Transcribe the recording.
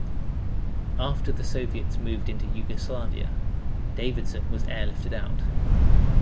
After the Soviets moved into Yugoslavia, Davidson was airlifted out.